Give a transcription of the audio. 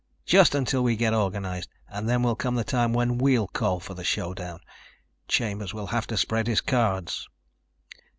Just until we get organized and then will come the time when we'll call for the showdown. Chambers will have to spread his cards."